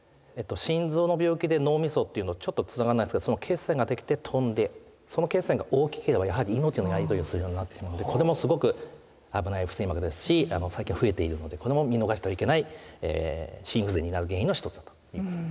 心臓の病気で脳みそっていうのちょっとつながらないですが血栓ができて飛んでその血栓が大きければやはり命のやり取りをするようになってしまうのでこれもすごく危ない不整脈ですし最近増えているのでこれも見逃してはいけない心不全になる原因の一つだと言えます。